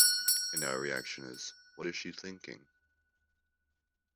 And our reaction is 'What is she thinking?